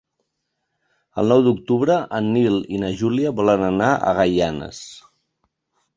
El nou d'octubre en Nil i na Júlia volen anar a Gaianes.